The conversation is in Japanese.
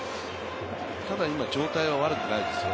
ただ今状態は悪くないですよ。